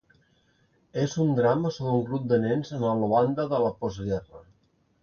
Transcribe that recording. És un drama sobre un grup de nens en la Luanda de la postguerra.